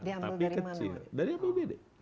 dihambil dari mana